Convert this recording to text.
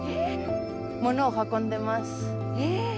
物を運んでます。